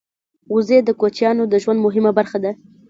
وزې د کوچیانو د ژوند مهمه برخه ده